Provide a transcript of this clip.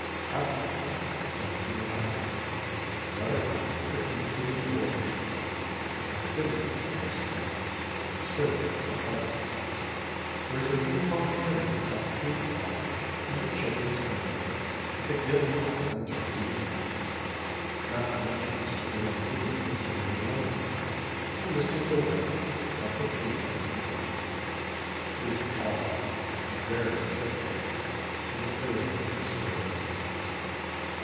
Half the world pretended to be happy, The other half pretended to be bored. The festivities, I understand, Are still being kept up. There is a ping pong tournament at the Queen's Hall And a children's banquet At the Guildhall on Tuesday evening; Not to mention Mr. Dan Leno at Drury Lane And Mr. De Wet at the Tweefontein. It is all very cheerful And very inspiriting.